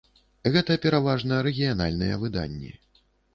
Гэта пераважна рэгіянальныя выданні.